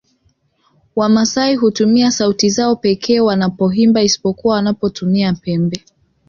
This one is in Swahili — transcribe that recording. Wamasai hutumia sauti zao pekee wanapoimba isipokuwa wanapotumia pembe